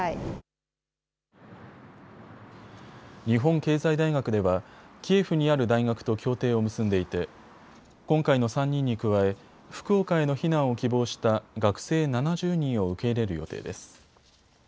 日本経済大学ではキエフにある大学と協定を結んでいて今回の３人に加え福岡への避難を希望した学生７０人を受け入れる予定です。